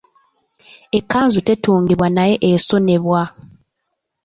Ekkanzu tetungibwa naye esonebwa.